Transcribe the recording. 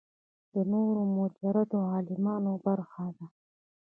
د نورو مجرده عالمونو برخه ده.